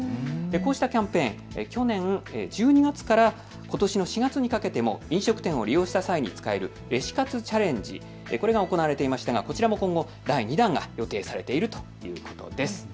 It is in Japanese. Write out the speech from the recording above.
こうしたキャンペーン、去年１２月からことしの４月にかけても飲食店を利用した際に使えるレシ活チャレンジ、これが行われていましたがこちらも今後、第２弾が予定されているということです。